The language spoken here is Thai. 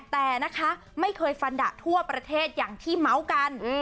แต่นะคะไม่เคยฟันดะทั่วประเทศอย่างที่เมาส์กัน